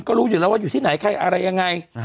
ก็รู้อยู่แล้วว่าอยู่ที่ไหนใครอะไรยังไง